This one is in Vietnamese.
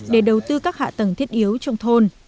để đầu tư các hạ tầng thiết yếu trong thôn